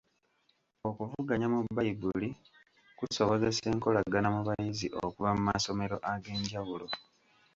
Okuvuganya mu Bbayibuli kusobozesa enkolagana mu bayizi okuva mu masomero ag'enjawulo.